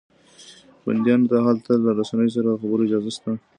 بنديانو ته هلته له رسنيو سره د خبرو اجازه شته.